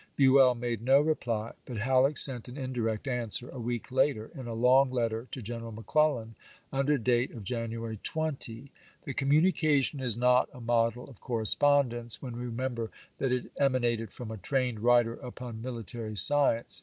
Buell made no reply, but HaUeck sent an indirect answer, a week later, in a long letter to General McClellan under date of 1862. January 20. The communication is not a model of correspondence, when we remember that it em anated from a trained writer upon military science.